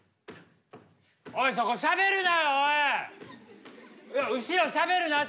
おいそこしゃべるなよ！